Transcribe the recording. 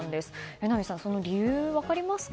榎並さん、その理由分かりますか？